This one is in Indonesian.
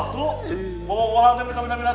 kok kok kok ada pindah pindah pindah